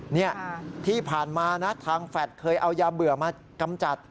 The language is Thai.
เนี่ยที่ผ่านมานะทางแฟลตเคยเอายาเบื่อมากำจัด